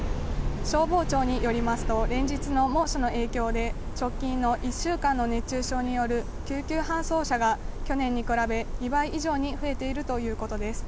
消防庁によりますと、連日の猛暑の影響で、直近の１週間の熱中症による救急搬送者が去年に比べ２倍以上に増えているということです。